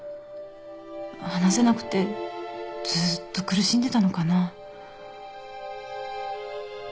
話せなくてずっと苦しんでたのかな。